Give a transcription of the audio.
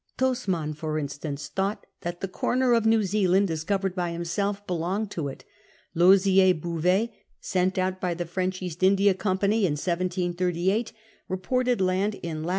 Tasman, for instance, thought that the corner of New Zealand discovered by himself belonged to it. Lozier Bouvet^ sent out by the French East India Com})any in 1738, reported land in lat.